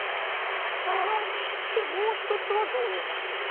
でもう一つはどういうものですか？